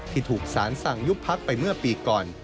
ที่ถูกสารสั่งยุบพักไปเมื่อปีก่อน